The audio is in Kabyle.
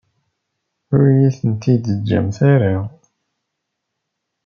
Ur iyi-ten-id-teǧǧamt ara.